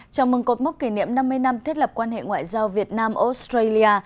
chào mừng cột mốc kỷ niệm năm mươi năm thiết lập quan hệ ngoại giao việt nam australia